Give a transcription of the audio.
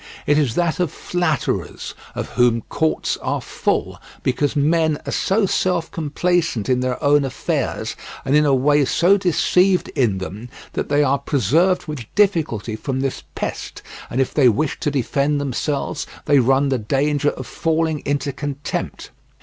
It is that of flatterers, of whom courts are full, because men are so self complacent in their own affairs, and in a way so deceived in them, that they are preserved with difficulty from this pest, and if they wish to defend themselves they run the danger of falling into contempt.